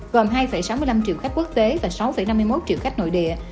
gồm hai sáu mươi năm triệu khách quốc tế và sáu năm mươi một triệu khách nội địa